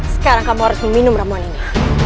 sekarang kamu harus meminum ramuan ini